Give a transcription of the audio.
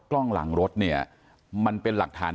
กล้องหลังรถเนี่ยมันเป็นหลักฐาน